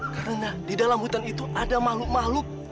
karena di dalam hutan itu ada makhluk makhluk